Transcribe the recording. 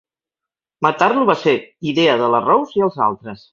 Matar-lo va ser idea de la Rose i els altres.